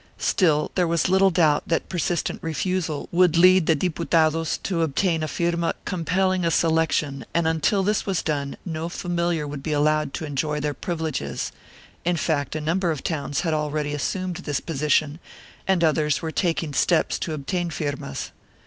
Still there was little doubt that per sistent refusal would lead the Diputados to obtain a firma com pelling a selection and until this was done no familiar would be allowed to enjoy their privileges — in fact a number of towns had already assumed this position and others were taking steps to obtain firmas.